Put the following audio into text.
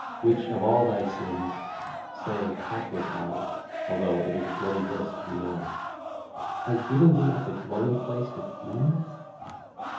which of all thy sins, (Say, hapless isle, although It is a bloody list we know,) Has given thee up a dwelling place to fiends?